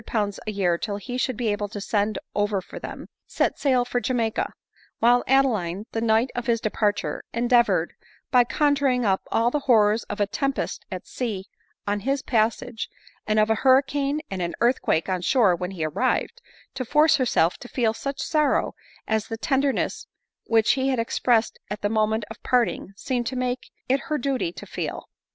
a yiear till he should be able to send over for them, set sail lor Jamaica ; while Adeline, the night of his de parture, endeavored, by conjuring up all the horrors of a tempest at sea on his passage, and of a hurricane and an earthquake on shore when he arrived, to force herself to feel such sorrow as the tenderness which he had express ed at the moment of parting seemed to make it her duty to feel.